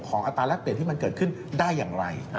อัตราแรกเปลี่ยนที่มันเกิดขึ้นได้อย่างไร